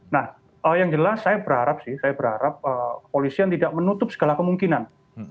nah yang jelas saya berharap sih saya berharap polisian tidak menutup segala kemungkinan